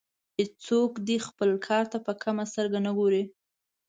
هیڅوک دې خپل کار ته په کمه سترګه نه ګوري.